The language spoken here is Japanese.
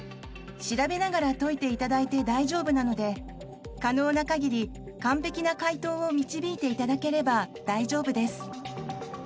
調べながら解いていただいて大丈夫なので可能な限り完璧な解答を導いていただければ大丈夫です。